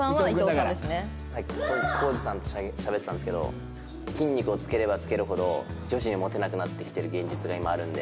さっきコージさんとしゃべってたんですけど筋肉をつければつけるほど女子にモテなくなってきてる現実が今あるんで。